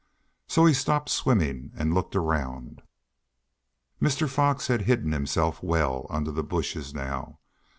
So he stopped swimming and looked around. Mr. Fox had hidden himself well under the bushes now.